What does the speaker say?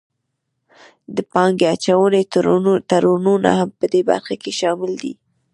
د پانګې اچونې تړونونه هم پدې برخه کې شامل دي